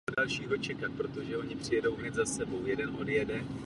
Film je do značné míry autobiografický.